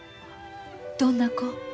どんな子？